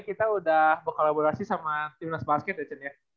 kita udah berkolaborasi sama tim nas basket ya cen ya